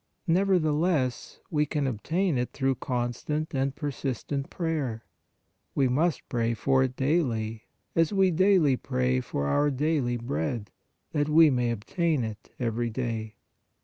Nevertheless, we can obtain it through constant and persistent prayer. We must pray for it daily, as we daily pray for our daily bread, that we may obtain it every day.